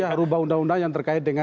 ya rubah undang undang yang terkait dengan